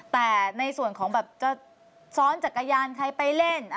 แต่ในส่วนของแบบจะซ้อนจักรยานใครไปเล่น